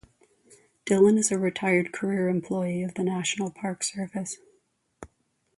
Dillon is a retired career employee of the National Park Service.